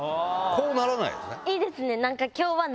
こうならないんですね。